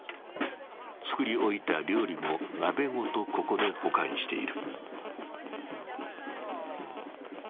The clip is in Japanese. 作り置いた料理も鍋ごとここで保管している。